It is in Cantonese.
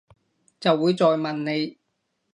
就會再問你